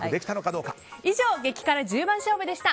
以上、激辛十番勝負でした。